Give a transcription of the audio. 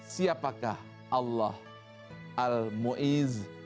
siapakah allah al mu'izz